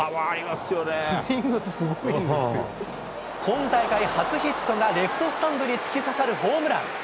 今大会初ヒットが、レフトスタンドに突き刺さるホームラン。